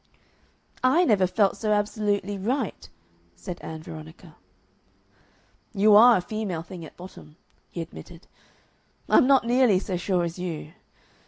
"I never felt so absolutely right," said Ann Veronica. "You ARE a female thing at bottom," he admitted. "I'm not nearly so sure as you.